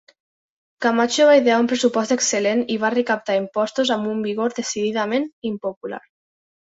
Camacho va idear un pressupost excel·lent i va recaptar impostos amb un vigor decididament impopular.